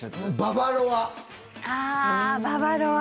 ああー、ババロア。